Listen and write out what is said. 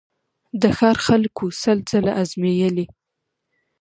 د ښار خلکو وو سل ځله آزمېیلی